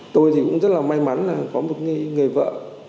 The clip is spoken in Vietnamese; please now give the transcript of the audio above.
tôi thì cũng rất là may mắn là có một người vợ